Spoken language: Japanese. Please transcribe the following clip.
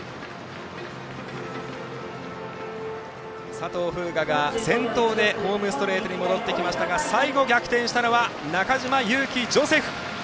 佐藤風雅が先頭でホームストレートに戻ってきましたが最後、逆転したのは中島佑気ジョセフ！